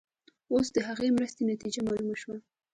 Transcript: اوس د هغې مرستې نتیجه معلومه شوه.